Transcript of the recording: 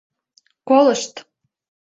Колышт...